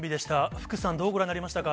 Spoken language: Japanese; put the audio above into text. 福さん、どうご覧になりましたか？